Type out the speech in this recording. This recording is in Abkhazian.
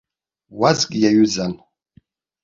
Уазк иаҩызан.